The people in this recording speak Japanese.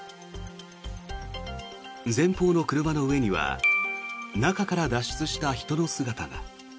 前方の車の上には中から脱出した人の姿が。